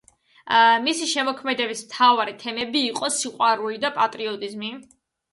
მისი შემოქმედების მთავარი თემები იყო სიყვარული და პატრიოტიზმი.